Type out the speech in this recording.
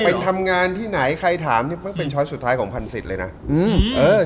ไปทำงานที่ไหนใครถามนี่เพิ่งเป็นช้อนสุดท้ายของพันศิษย์เลยนะอืมเออ